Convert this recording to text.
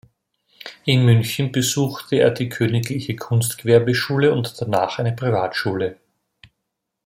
In München besuchte er die Königliche Kunstgewerbeschule und danach eine Privatschule.